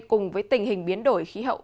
cùng với tình hình biến đổi khí hậu